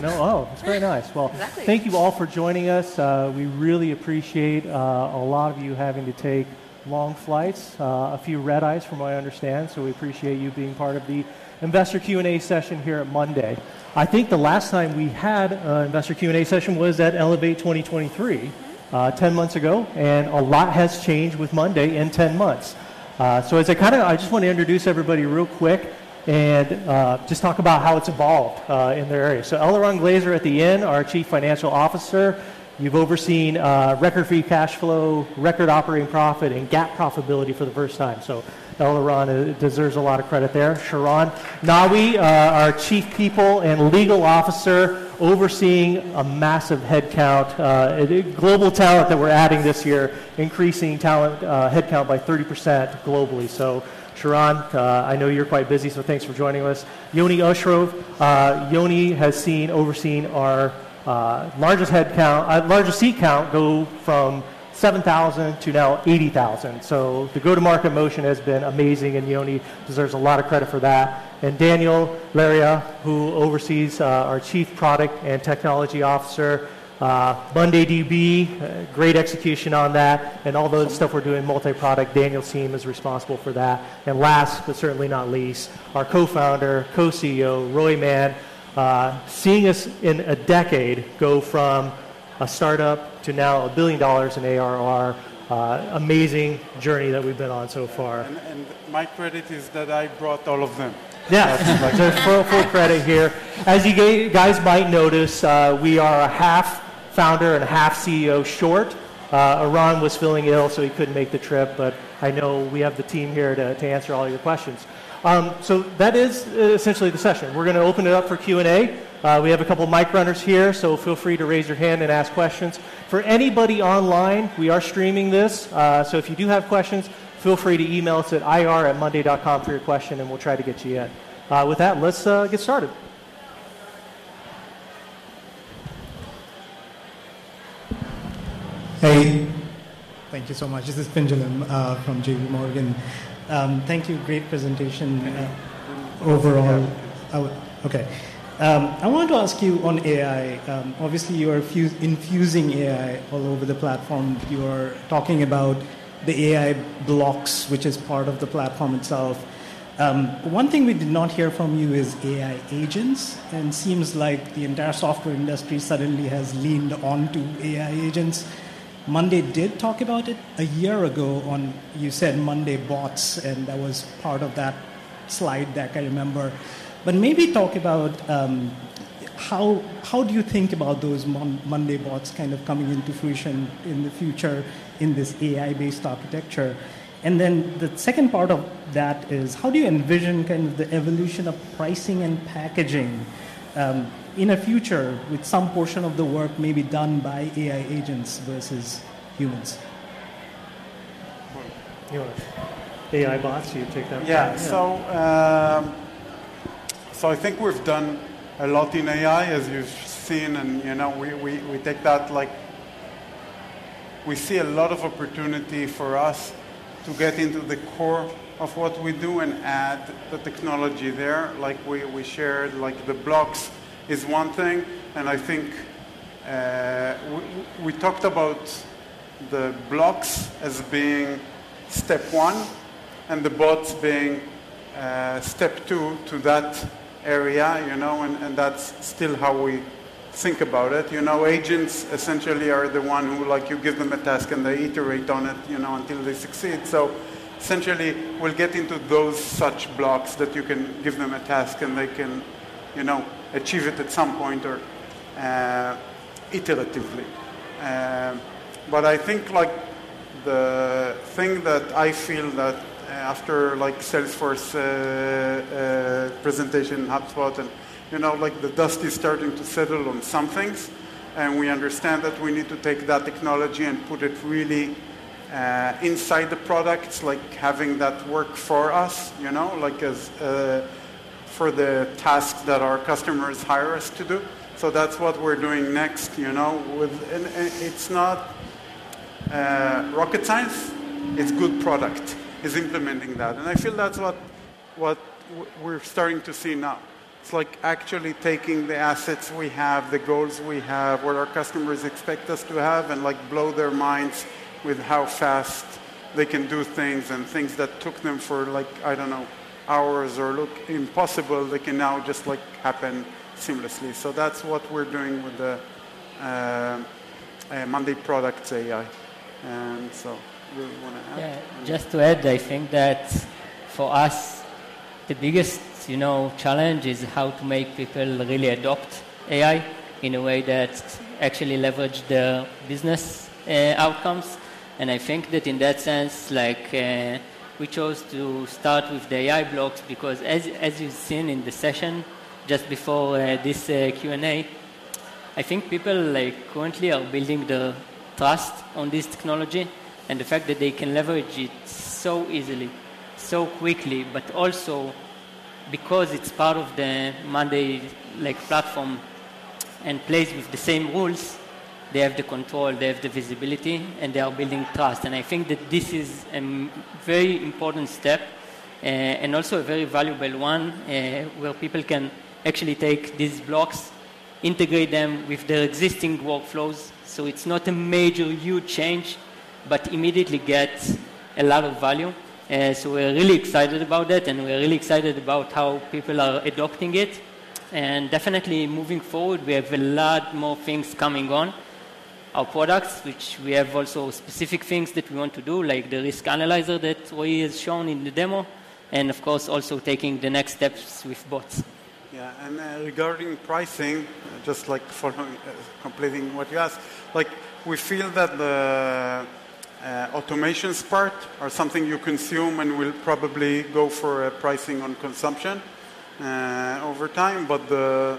You know? Oh, it's very nice. Exactly. Thank you all for joining us. We really appreciate a lot of you having to take long flights, a few red eyes from what I understand, so we appreciate you being part of the Investor Q&A session here at Monday. I think the last time we had an investor Q&A session was at Elevate 2023- Mm-hmm... 10 months ago, and a lot has changed with Monday in 10 months. So as I kind of I just want to introduce everybody real quick and just talk about how it's evolved in their area. So Eliran Glazer, our Chief Financial Officer, you've overseen record free cash flow, record operating profit, and GAAP profitability for the first time. So Eliran deserves a lot of credit there. Shiran Nawi, our Chief People and Legal Officer, overseeing a massive headcount global talent that we're adding this year, increasing headcount by 30% globally. So Shiran, I know you're quite busy, so thanks for joining us. Yoni Osherov, Yoni has overseen our largest seat count go from 7,000 to now 80,000. So the go-to-market motion has been amazing, and Yoni deserves a lot of credit for that. And Daniel Lereya, who oversees our Chief Product and Technology Officer, MondayDB, great execution on that, and all the stuff we're doing, multi-product, Daniel's team is responsible for that. And last, but certainly not least, our co-founder, co-CEO, Roy Mann, seeing us in a decade go from a start-up to now $1 billion in ARR, amazing journey that we've been on so far. My credit is that I brought all of them. Yeah. So full credit here. As you guys might notice, we are a half founder and a half CEO short. Eran was feeling ill, so he couldn't make the trip, but I know we have the team here to answer all your questions. So that is essentially the session. We're gonna open it up for Q&A. We have a couple mic runners here, so feel free to raise your hand and ask questions. For anybody online, we are streaming this, so if you do have questions, feel free to email us at ir@monday.com for your question, and we'll try to get to you in. With that, let's get started. Hey, thank you so much. This is Pinjalim from JPMorgan. Thank you, great presentation- Mm-hmm. Overall. Okay. I wanted to ask you on AI, obviously, you are infusing AI all over the platform. You are talking about the AI Blocks, which is part of the platform itself. One thing we did not hear from you is AI agents, and seems like the entire software industry suddenly has leaned on to AI agents. Monday did talk about it a year ago, you said Monday Bots, and that was part of that slide deck, I remember. But maybe talk about how do you think about those Monday Bots kind of coming into fruition in the future in this AI-based architecture? And then the second part of that is, how do you envision kind of the evolution of pricing and packaging in a future with some portion of the work may be done by AI agents versus humans? You want AI bots? You take that? Yeah. So, so I think we've done a lot in AI, as you've seen, and, you know, we take that like... We see a lot of opportunity for us to get into the core of what we do and add the technology there. Like we shared, like the blocks is one thing, and I think we talked about the blocks as being step one, and the bots being step two to that area, you know, and that's still how we think about it. You know, agents essentially are the one who, like, you give them a task, and they iterate on it, you know, until they succeed. So essentially, we'll get into those such blocks that you can give them a task, and they can achieve it at some point or iteratively. But I think, like, the thing that I feel that after, like, Salesforce presentation, HubSpot, and, you know, like the dust is starting to settle on some things, and we understand that we need to take that technology and put it really inside the products, like having that work for us, you know, like as for the tasks that our customers hire us to do. So that's what we're doing next, you know, with... And it's not rocket science, it's good product, is implementing that. And I feel that's what we're starting to see now. It's like actually taking the assets we have, the goals we have, what our customers expect us to have, and, like, blow their minds with how fast they can do things, and things that took them for, like, I don't know, hours or look impossible, they can now just, like, happen seamlessly. So that's what we're doing with the Monday products AI. And so, you wanna add? Yeah, just to add, I think that for us, the biggest, you know, challenge is how to make people really adopt AI in a way that actually leverage their business outcomes. And I think that in that sense, like, we chose to start with the AI Blocks because as you've seen in the session just before this Q&A, I think people, like, currently are building the trust on this technology and the fact that they can leverage it so easily, so quickly, but also because it's part of the Monday, like, platform and plays with the same rules-... they have the control, they have the visibility, and they are building trust, and I think that this is a very important step, and also a very valuable one, where people can actually take these blocks, integrate them with their existing workflows, so it's not a major huge change, but immediately gets a lot of value, so we're really excited about that, and we're really excited about how people are adopting it, and definitely moving forward, we have a lot more things coming on. Our products, which we have also specific things that we want to do, like the Risk Analyzer that we have shown in the demo, and of course, also taking the next steps with bots. Yeah, and, regarding pricing, just like for completing what you asked, like, we feel that the automations part are something you consume and will probably go for a pricing on consumption over time. But the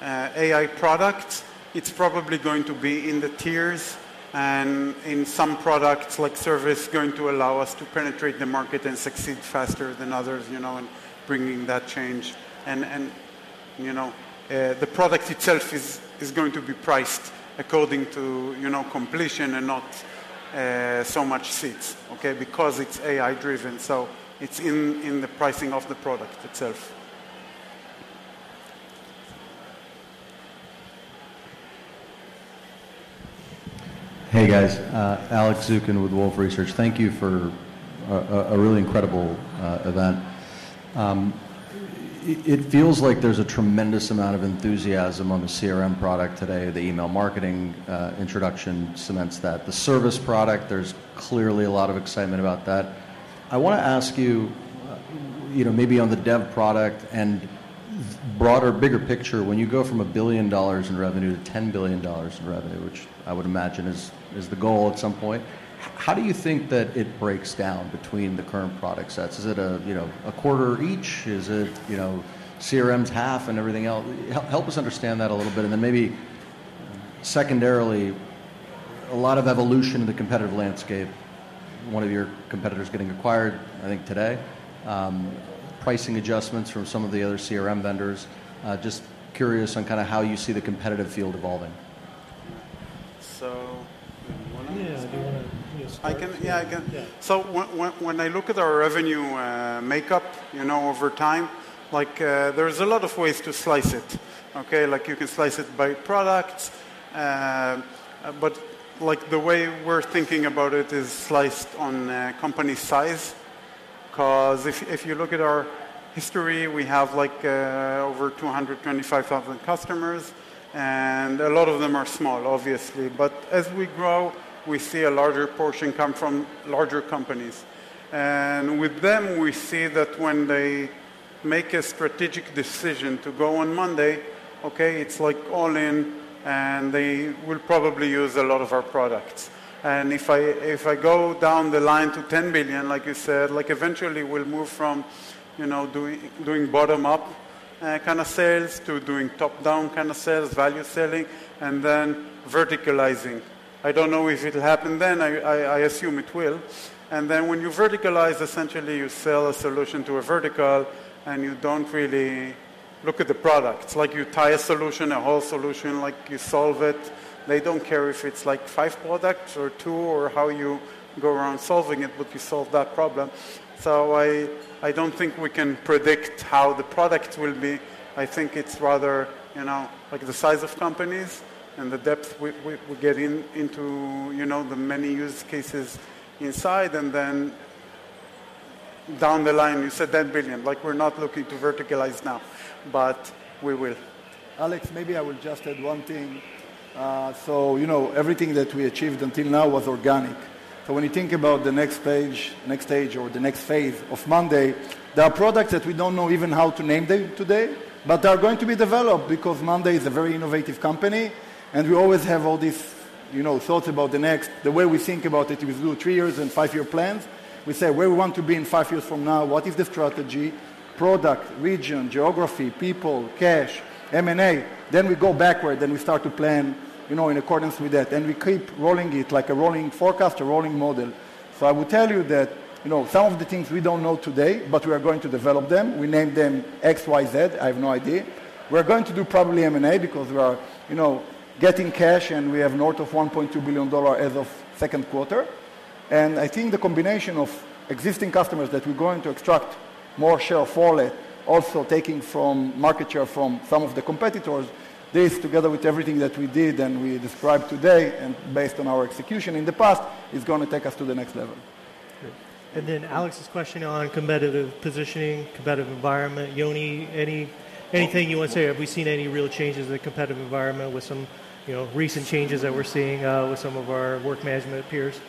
AI product, it's probably going to be in the tiers, and in some products, like Service, going to allow us to penetrate the market and succeed faster than others, you know, and bringing that change. And, you know, the product itself is going to be priced according to, you know, completion and not so much seats, okay? Because it's AI-driven, so it's in the pricing of the product itself. Hey, guys, Alex Zukin with Wolfe Research. Thank you for a really incredible event. It feels like there's a tremendous amount of enthusiasm on the CRM product today, the email marketing introduction cements that. The Service product, there's clearly a lot of excitement about that. I want to ask you, you know, maybe on the Dev product and broader, bigger picture, when you go from $1 billion in revenue to $10 billion in revenue, which I would imagine is the goal at some point, how do you think that it breaks down between the current product sets? Is it, you know, a quarter each? Is it, you know, CRM's half and everything else? Help us understand that a little bit, and then maybe secondarily, a lot of evolution in the competitive landscape, one of your competitors getting acquired, I think, today, pricing adjustments from some of the other CRM vendors. Just curious on kinda how you see the competitive field evolving. So, you wanna start? Yeah, do you wanna... Yeah, start. I can, yeah, I can. Yeah. So when I look at our revenue makeup, you know, over time, like, there's a lot of ways to slice it, okay? Like, you can slice it by product, but, like, the way we're thinking about it is sliced on company size. 'Cause if you look at our history, we have, like, over two hundred and twenty-five thousand customers, and a lot of them are small, obviously. But as we grow, we see a larger portion come from larger companies, and with them, we see that when they make a strategic decision to go on Monday, okay, it's like all in, and they will probably use a lot of our products. If I go down the line to 10 billion, like you said, like eventually we'll move from, you know, doing bottom-up kind of sales to doing top-down kind of sales, value selling, and then verticalizing. I don't know if it'll happen then. I assume it will. Then when you verticalize, essentially you sell a solution to a vertical, and you don't really look at the product. It's like you tie a solution, a whole solution, like you solve it. They don't care if it's like five products or two, or how you go around solving it, but you solve that problem. I don't think we can predict how the product will be. I think it's rather, you know, like the size of companies and the depth we get into, you know, the many use cases inside, and then down the line, you said 10 billion. Like, we're not looking to verticalize now, but we will. Alex, maybe I will just add one thing, so you know, everything that we achieved until now was organic. So when you think about the next page, next stage, or the next phase of Monday, there are products that we don't know even how to name them today, but they are going to be developed because Monday is a very innovative company, and we always have all these, you know, thoughts about the next... The way we think about it, we do three years and five-year plans. We say where we want to be in five years from now, what is the strategy, product, region, geography, people, cash, M&A? Then we go backward, and we start to plan, you know, in accordance with that, and we keep rolling it like a rolling forecast, a rolling model. I will tell you that, you know, some of the things we don't know today, but we are going to develop them. We name them X, Y, Z, I have no idea. We're going to do probably M&A because we are, you know, getting cash, and we have north of $1.2 billion as of second quarter. I think the combination of existing customers, that we're going to extract more share of wallet, also taking from market share from some of the competitors, this, together with everything that we did and we described today and based on our execution in the past, is gonna take us to the next level. Great. And then Alex's question on competitive positioning, competitive environment, Yoni, anything you want to say? Have we seen any real changes in the competitive environment with some, you know, recent changes that we're seeing, with some of our Work Management peers?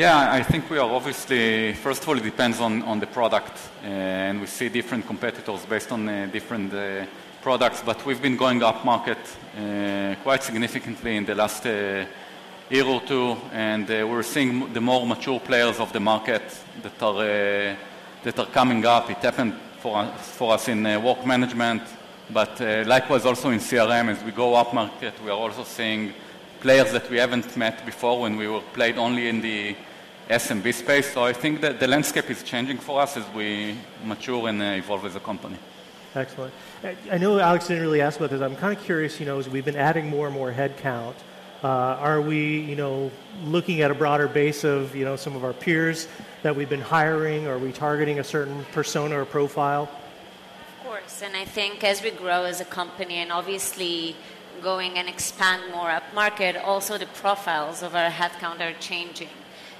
Yeah, I think we are obviously. First of all, it depends on the product, and we see different competitors based on different products. But we've been going upmarket quite significantly in the last year or two, and we're seeing the more mature players of the market that are coming up. It happened for us in Work Management, but likewise also in CRM. As we go upmarket, we are also seeing players that we haven't met before when we were played only in the SMB space. So I think that the landscape is changing for us as we mature and evolve as a company.... Excellent. I know Alexander already asked about this, I'm kind of curious, you know, as we've been adding more and more headcount, are we, you know, looking at a broader base of, you know, some of our peers that we've been hiring? Are we targeting a certain persona or profile? Of course, and I think as we grow as a company, and obviously going and expand more upmarket, also the profiles of our headcount are changing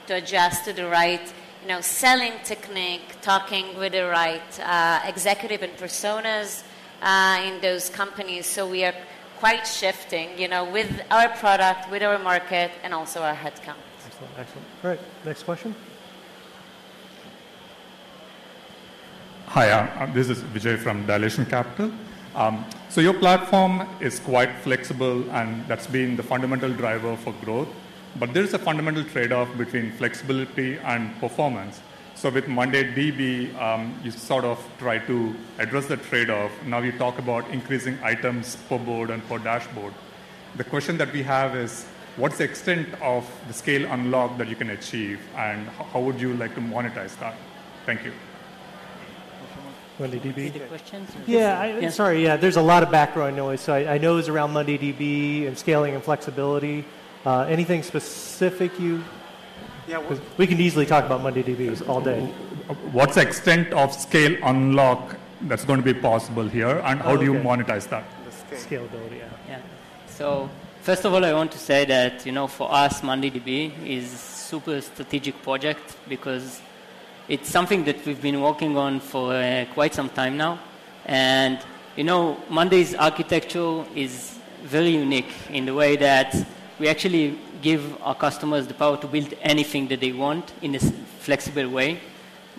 to adjust to the right, you know, selling technique, talking with the right, executive and personas, in those companies. So we are quite shifting, you know, with our product, with our market, and also our headcounts. Excellent. Excellent. Great. Next question? Hi, this is Vijay from Dilation Capital. So your platform is quite flexible, and that's been the fundamental driver for growth, but there's a fundamental trade-off between flexibility and performance. So with MondayDB, you sort of try to address the trade-off. Now, you talk about increasing items per board and per dashboard. The question that we have is, what's the extent of the scale unlock that you can achieve, and how would you like to monetize that? Thank you. Monday DB? Repeat the question? Yeah, sorry. Yeah, there's a lot of background noise. So I know it's around MondayDB, and scaling, and flexibility. Anything specific you- Yeah, w- We can easily talk about MondayDB all day. What's the extent of scale unlock that's going to be possible here, and how do you monetize that? The scale. Scalability, yeah. Yeah. So first of all, I want to say that, you know, for us, MondayDB is super strategic project, because it's something that we've been working on for quite some time now, you know, Monday's architecture is very unique in the way that we actually give our customers the power to build anything that they want in a flexible way.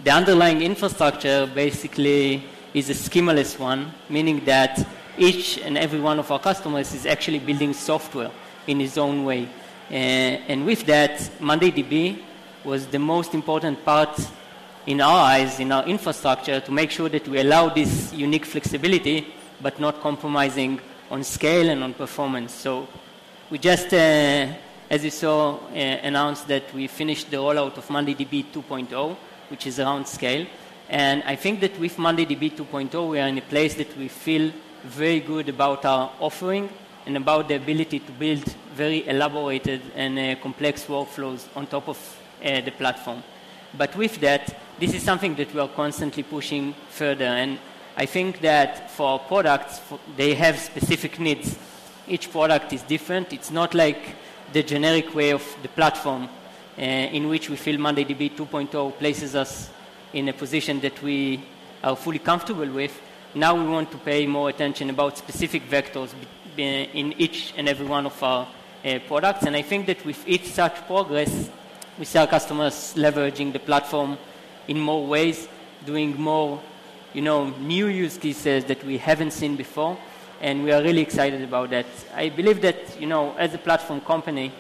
The underlying infrastructure basically is a schemaless one, meaning that each and every one of our customers is actually building software in his own way, and with that, MondayDB was the most important part, in our eyes, in our infrastructure, to make sure that we allow this unique flexibility, but not compromising on scale and on performance. So we just, as you saw, announced that we finished the rollout of MondayDB 2.0, which is around scale, and I think that with MondayDB 2.0, we are in a place that we feel very good about our offering, and about the ability to build very elaborated and complex workflows on top of the platform. But with that, this is something that we are constantly pushing further, and I think that for products, they have specific needs. Each product is different. It's not like the generic way of the platform in which we feel MondayDB 2.0 places us in a position that we are fully comfortable with. Now, we want to pay more attention about specific vectors in each and every one of our products, and I think that with each such progress, we see our customers leveraging the platform in more ways, doing more, you know, new use cases that we haven't seen before, and we are really excited about that. I believe that, you know, as a platform company,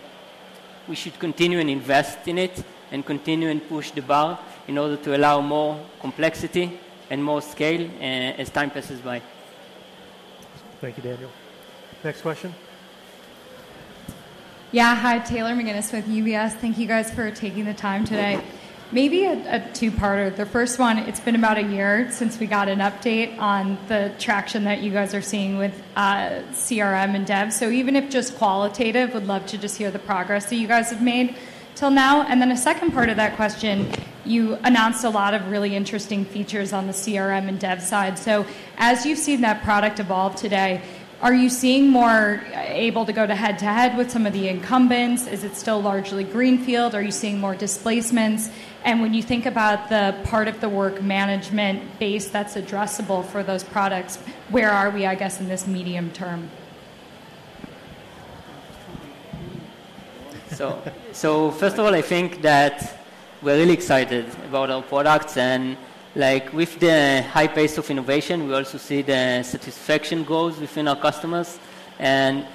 we should continue and invest in it, and continue and push the bar in order to allow more complexity and more scale, as time passes by. Thank you, Daniel. Next question? Yeah. Hi, Taylor McGinnis with UBS. Thank you, guys, for taking the time today. Maybe a two-parter. The first one, it's been about a year since we got an update on the traction that you guys are seeing with CRM and Dev. So even if just qualitative, would love to just hear the progress that you guys have made till now, and then a second part of that question, you announced a lot of really interesting features on the CRM and Dev side. So as you've seen that product evolve today, are you seeing more able to go to head-to-head with some of the incumbents? Is it still largely greenfield? Are you seeing more displacements? And when you think about the part of the work management base that's addressable for those products, where are we, I guess, in this medium term? So first of all, I think that we're really excited about our products, and like with the high pace of innovation, we also see the satisfaction grows within our customers. And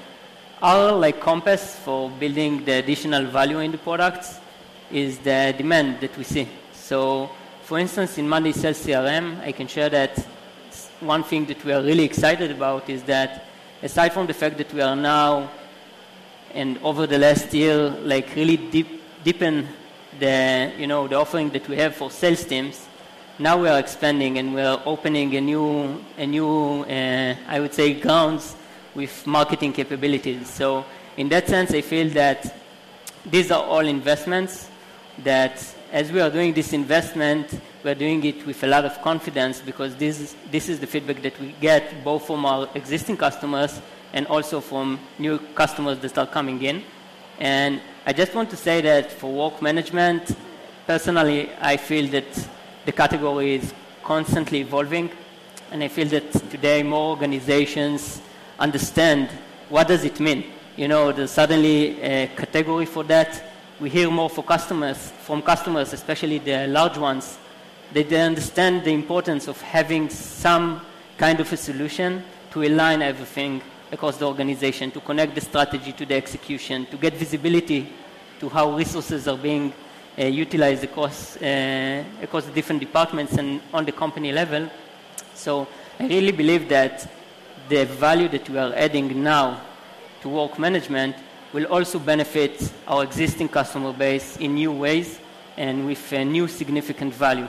our like compass for building the additional value in the products is the demand that we see. So for instance, in Monday Sales CRM, I can share that one thing that we are really excited about is that aside from the fact that we are now, and over the last year, like really deepen the you know the offering that we have for sales teams, now we are expanding, and we are opening a new I would say grounds with marketing capabilities. So in that sense, I feel that these are all investments, that as we are doing this investment, we are doing it with a lot of confidence because this is the feedback that we get, both from our existing customers and also from new customers that are coming in. And I just want to say that for work management, personally, I feel that the category is constantly evolving, and I feel that today, more organizations understand what does it mean? You know, there's suddenly a category for that. We hear more from customers, especially the large ones, that they understand the importance of having some kind of a solution to align everything across the organization, to connect the strategy to the execution, to get visibility to how resources are being utilized across the different departments and on the company level. I really believe that the value that we are adding now to work management will also benefit our existing customer base in new ways and with a new significant value.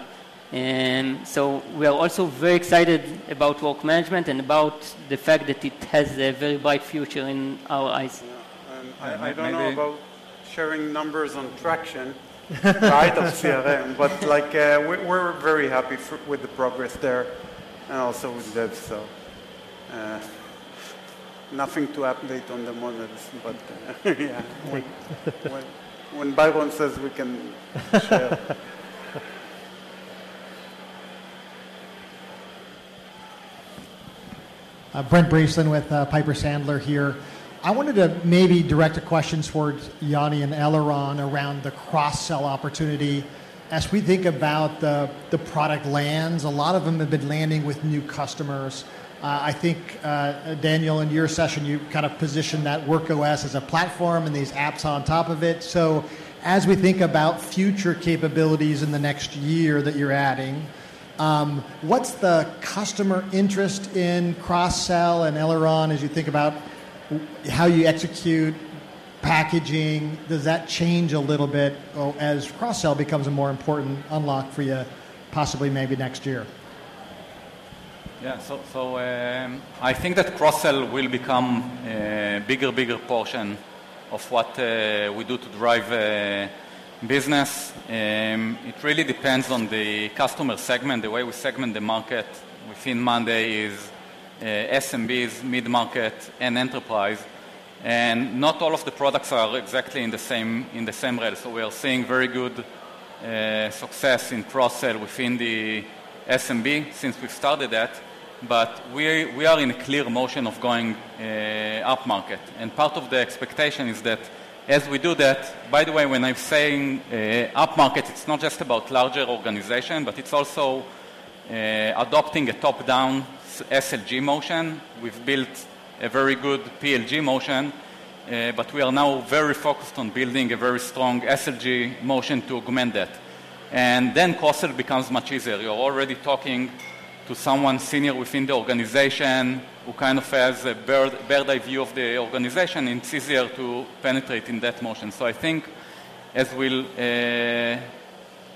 We are also very excited about work management and about the fact that it has a very bright future in our eyes. Yeah, and I don't know about- Maybe- Sharing numbers on traction, right, of CRM, but, like, we're very happy with the progress there, and also with Dev, so, nothing to update on the models, but yeah. When Byron says we can share. Brent Bracelin with Piper Sandler here. I wanted to maybe direct a question towards Yoni and Eliran around the cross-sell opportunity. As we think about the product lands, a lot of them have been landing with new customers. I think Daniel, in your session, you kind of positioned that Work OS as a platform and these apps on top of it. So as we think about future capabilities in the next year that you're adding, what's the customer interest in cross-sell and Eliran, as you think about how you execute packaging? Does that change a little bit as cross-sell becomes a more important unlock for you, possibly maybe next year? Yeah. So, I think that cross-sell will become a bigger portion of what we do to drive business. It really depends on the customer segment. The way we segment the market within Monday is SMBs, mid-market, and enterprise, and not all of the products are exactly in the same rate. So we are seeing very good success in cross-sell within the SMB since we've started that, but we are in a clear motion of going upmarket. And part of the expectation is that as we do that. By the way, when I'm saying upmarket, it's not just about larger organization, but it's also adopting a top-down SLG motion. We've built a very good PLG motion, but we are now very focused on building a very strong SLG motion to augment that, and then cross-sell becomes much easier. You're already talking to someone senior within the organization who kind of has a bird's-eye view of the organization, and it's easier to penetrate in that motion. So I think as we'll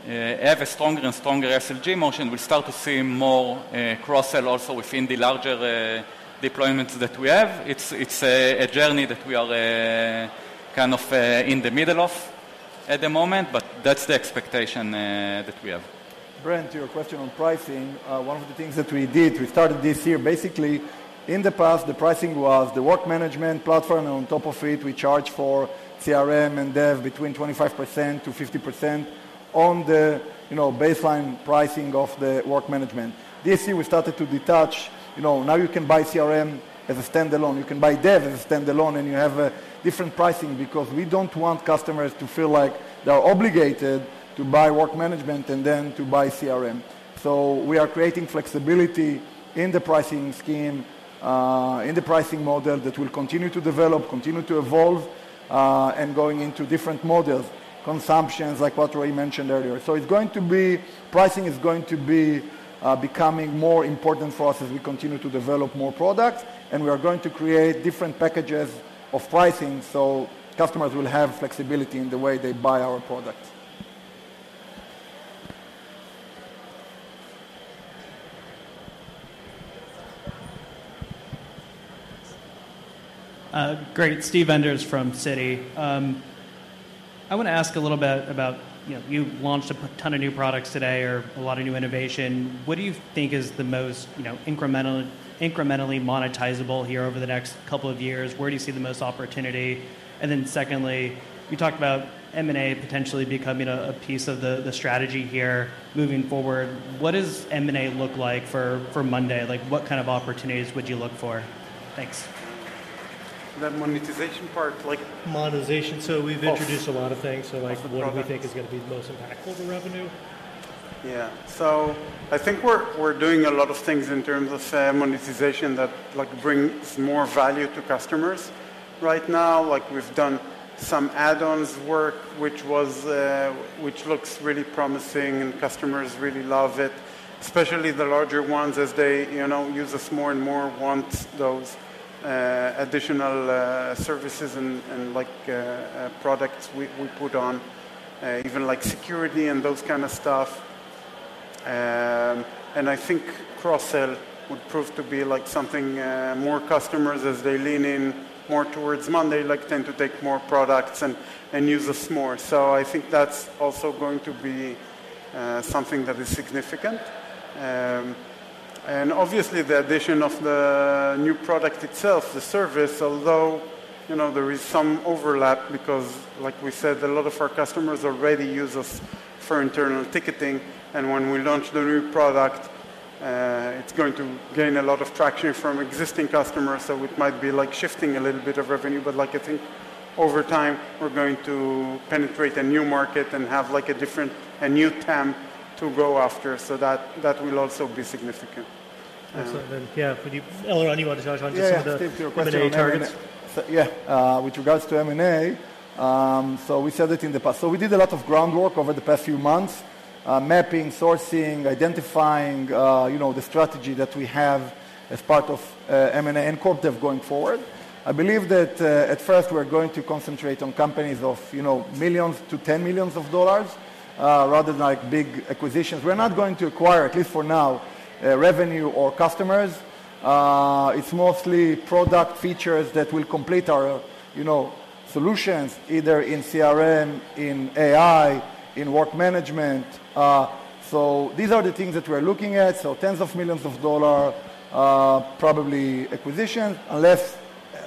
have a stronger and stronger SLG motion, we'll start to see more cross-sell also within the larger deployments that we have. It's a journey that we are kind of in the middle of at the moment, but that's the expectation that we have. Brent, to your question on pricing, one of the things that we did, we started this year, basically, in the past, the pricing was the work management platform, and on top of it, we charged for CRM and Dev between 25% to 50% on the, you know, baseline pricing of the work management. This year, we started to detach. You know, now you can buy CRM as a standalone. You can buy Dev as a standalone, and you have a different pricing because we don't want customers to feel like they are obligated to buy work management and then to buy CRM. So we are creating flexibility in the pricing scheme, in the pricing model, that will continue to develop, continue to evolve, and going into different models, consumption, like what Roy mentioned earlier. Pricing is going to be becoming more important for us as we continue to develop more products, and we are going to create different packages of pricing, so customers will have flexibility in the way they buy our products. Great. Steve Enders from Citi. I want to ask a little bit about, you know, you've launched a ton of new products today or a lot of new innovation. What do you think is the most, you know, incrementally monetizable here over the next couple of years? Where do you see the most opportunity? And then secondly, you talked about M&A potentially becoming a piece of the strategy here moving forward. What does M&A look like for Monday? Like, what kind of opportunities would you look for? Thanks. That monetization part, like- Monetization, so we've introduced- Of- -a lot of things, so like- Of the products.... What do we think is gonna be the most impactful to revenue? Yeah. So I think we're doing a lot of things in terms of monetization that, like, brings more value to customers. Right now, like, we've done some add-ons work, which looks really promising, and customers really love it, especially the larger ones, as they, you know, use us more and more, want those additional services and, like, products we put on, even like security and those kind of stuff. And I think cross-sell would prove to be, like, something more customers as they lean in more towards Monday, like, tend to take more products and use us more, so I think that's also going to be something that is significant. And obviously the addition of the new product itself, the service, although, you know, there is some overlap because, like we said, a lot of our customers already use us for internal ticketing, and when we launch the new product, it's going to gain a lot of traction from existing customers, so it might be, like, shifting a little bit of revenue, but, like, I think over time we're going to penetrate a new market and have, like, a different, a new TAM to go after, so that, that will also be significant. Excellent. And yeah, would you, Eliran, you wanted to talk about just some of the- Yeah, to your question- M&A targets... Yeah, with regards to M&A, so we said it in the past, so we did a lot of groundwork over the past few months. Mapping, sourcing, identifying, you know, the strategy that we have as part of M&A and Corp Dev going forward. I believe that at first, we're going to concentrate on companies of, you know, $ millions to $10 million, rather than, like, big acquisitions. We're not going to acquire, at least for now, revenue or customers. It's mostly product features that will complete our, you know, solutions, either in CRM, in AI, in work management. So these are the things that we're looking at, so tens of millions of dollar probably acquisition, unless,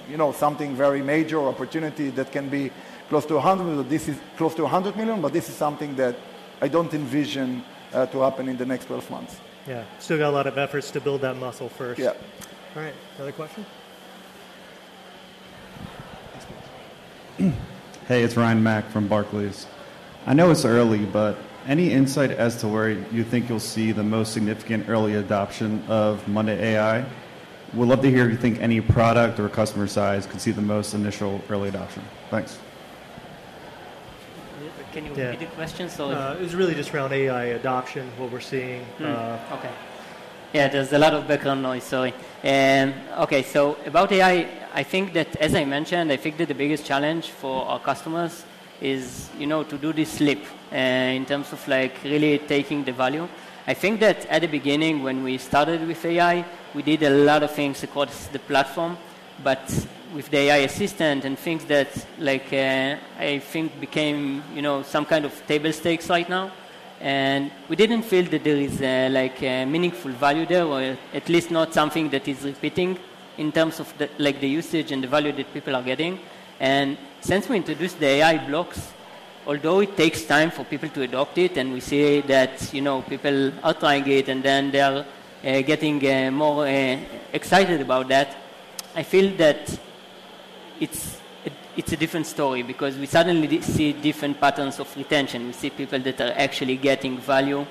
you know, something very major opportunity that can be close to a hundred.. This is close to a hundred million, but this is something that I don't envision to happen in the next twelve months. Yeah. Still got a lot of efforts to build that muscle first. Yeah. All right. Another question? Hey, it's Ryan MacWilliams from Barclays. I know it's early, but any insight as to where you think you'll see the most significant early adoption of Monday AI? Would love to hear if you think any product or customer size could see the most initial early adoption. Thanks. Can you- Yeah... repeat the question? So- It was really just around AI adoption, what we're seeing. Mm. Uh- Okay. Yeah, there's a lot of background noise, sorry, and okay, so about AI, I think that, as I mentioned, I think that the biggest challenge for our customers is, you know, to do this leap in terms of, like, really taking the value. I think that at the beginning, when we started with AI, we did a lot of things across the platform, but with the AI assistant and things that, like, I think became, you know, some kind of table stakes right now, and we didn't feel that there is a, like a meaningful value there, or at least not something that is repeating in terms of the, like the usage and the value that people are getting. And since we introduced the AI Blocks, although it takes time for people to adopt it, and we see that, you know, people are trying it, and then they are getting more excited about that, I feel that it's a different story because we suddenly see different patterns of retention. We see people that are actually getting value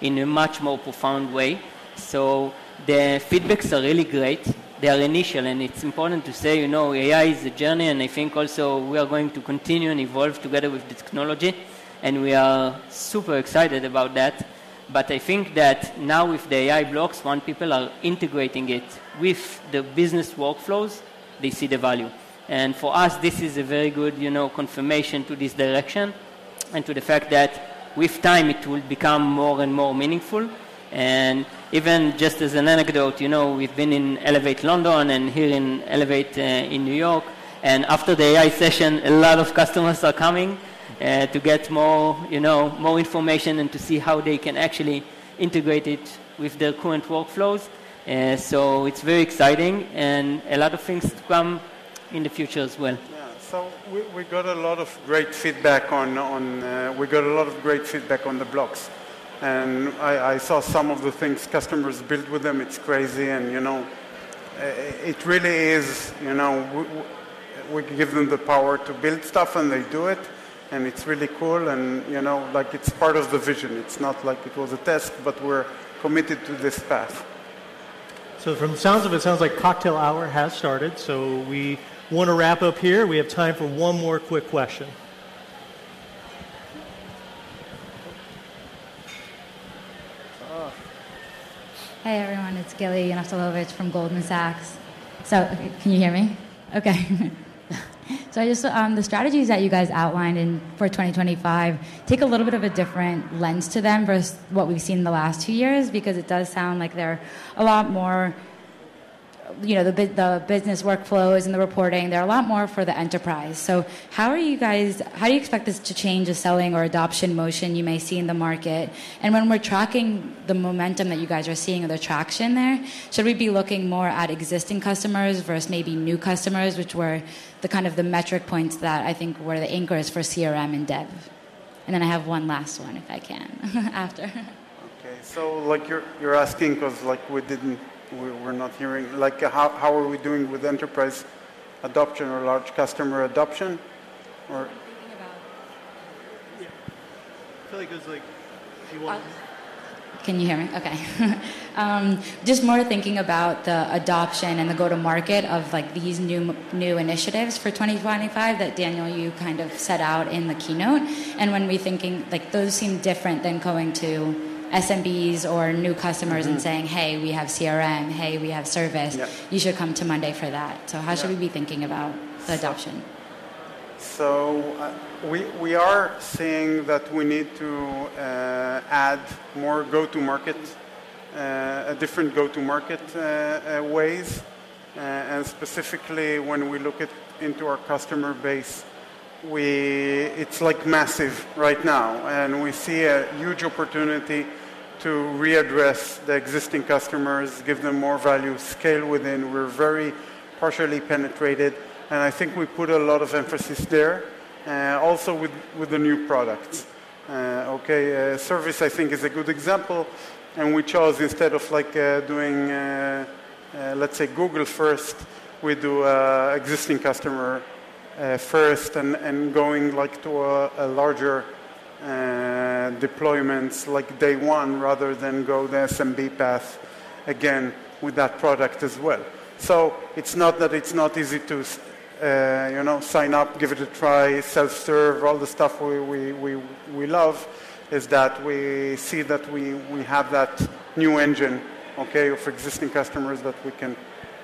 in a much more profound way. So the feedbacks are really great. They are initial, and it's important to say, you know, AI is a journey, and I think also we are going to continue and evolve together with technology, and we are super excited about that. But I think that now with the AI Blocks, when people are integrating it with the business workflows, they see the value. For us, this is a very good, you know, confirmation to this direction and to the fact that with time, it will become more and more meaningful. Even just as an anecdote, you know, we've been in Elevate London and here in Elevate in New York, and after the AI session, a lot of customers are coming to get more, you know, more information and to see how they can actually integrate it with their current workflows. It's very exciting and a lot of things to come in the future as well. Yeah, so we got a lot of great feedback on the blocks, and I saw some of the things customers built with them. It's crazy, and you know, it really is, you know. We give them the power to build stuff, and they do it, and it's really cool, and you know, like, it's part of the vision. It's not like it was a test, but we're committed to this path. From the sounds of it, sounds like cocktail hour has started, so we want to wrap up here. We have time for one more quick question. Hey, everyone. It's Gilly Yanowitz from Goldman Sachs. So can you hear me? Okay. So I just, the strategies that you guys outlined in for 2025 take a little bit of a different lens to them versus what we've seen in the last two years, because it does sound like they're a lot more, you know, the business workflows and the reporting, they're a lot more for the enterprise. So how are you guys. How do you expect this to change the selling or adoption motion you may see in the market? And when we're tracking the momentum that you guys are seeing or the traction there, should we be looking more at existing customers versus maybe new customers, which were the kind of the metric points that I think were the anchors for CRM and Dev? And then I have one last one, if I can, after. Okay. So, like, you're asking, 'cause, like, we didn't... We're not hearing, like, how are we doing with enterprise adoption or large customer adoption, or- More thinking about- Yeah. I feel like it was like she wanted- Can you hear me? Okay. Just more thinking about the adoption and the go-to-market of, like, these new initiatives for twenty twenty-five that, Daniel, you kind of set out in the keynote, and when we thinking, like, those seem different than going to SMBs or new customers. Mm-hmm... and saying, "Hey, we have CRM. Hey, we have service. Yeah. You should come to Monday for that. Yeah. How should we be thinking about the adoption? So, we are seeing that we need to add more go-to-market, different go-to-market ways, and specifically, when we look at into our customer base, it's like massive right now, and we see a huge opportunity to readdress the existing customers, give them more value, scale within. We're very partially penetrated, and I think we put a lot of emphasis there, also with the new products. Okay, service, I think, is a good example, and we chose, instead of, like, doing, let's say Google first, we do existing customer first and going like to a larger deployments, like day one, rather than go the SMB path again with that product as well. So it's not that it's not easy to sign up, give it a try, self-serve, all the stuff we love, is that we see that we have that new engine, okay, of existing customers that we can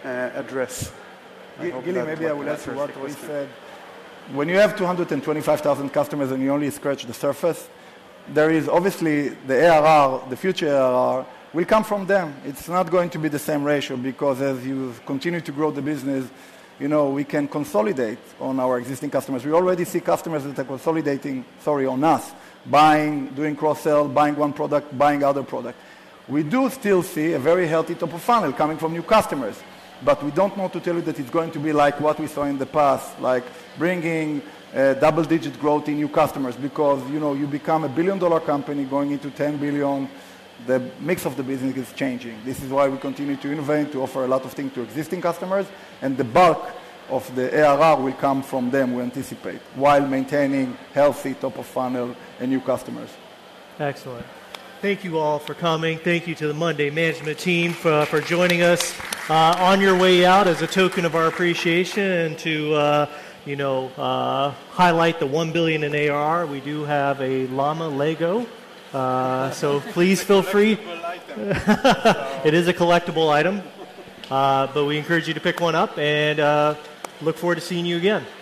address. I hope that- Gilly, maybe I will add to what he said. When you have two hundred and twenty-five thousand customers, and you only scratch the surface, there is obviously the ARR, the future ARR, will come from them. It's not going to be the same ratio because as you continue to grow the business, you know, we can consolidate on our existing customers. We already see customers that are consolidating, sorry, on us, buying, doing cross-sell, buying one product, buying other product. We do still see a very healthy top of funnel coming from new customers, but we don't want to tell you that it's going to be like what we saw in the past, like bringing double-digit growth in new customers because, you know, you become a $1 billion-dollar company going into $10 billion, the mix of the business is changing. This is why we continue to innovate, to offer a lot of things to existing customers, and the bulk of the ARR will come from them, we anticipate, while maintaining healthy top of funnel and new customers. Excellent. Thank you all for coming. Thank you to the Monday management team for joining us. On your way out, as a token of our appreciation and to, you know, highlight the $1 billion in ARR, we do have a llama Lego, so please feel free. A collectible item. It is a collectible item, but we encourage you to pick one up, and look forward to seeing you again. Thank you.